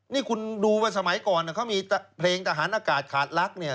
นี่คุณดูว่าสมัยก่อนเขามีเพลงทหารอากาศขาดลักษณ์เนี่ย